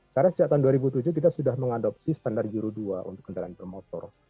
karena sejak tahun dua ribu tujuh kita sudah mengadopsi standar juru dua untuk kendaraan bermotor